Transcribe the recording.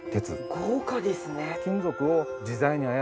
豪華ですね。